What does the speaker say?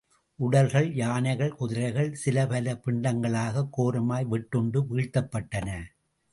உடல்கள், யானைகள், குதிரைகள் சிலபல பிண்டங்களாகக் கோரமாய் வெட்டுண்டு வீழ்த்தப்பட்டன.